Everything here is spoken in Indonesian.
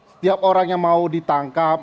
setiap orang yang mau ditangkap